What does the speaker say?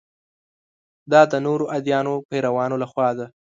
دا د نورو ادیانو پیروانو له خوا ده.